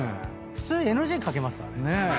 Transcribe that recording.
普通ＮＧかけますからね。